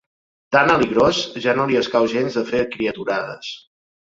Tan alt i gros, ja no li escau gens de fer criaturades.